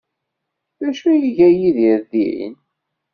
D acu ay iga Yidir din?